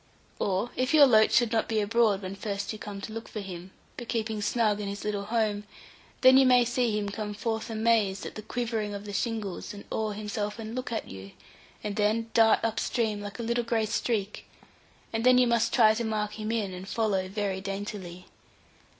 Or if your loach should not be abroad when first you come to look for him, but keeping snug in his little home, then you may see him come forth amazed at the quivering of the shingles, and oar himself and look at you, and then dart up stream, like a little grey streak; and then you must try to mark him in, and follow very daintily.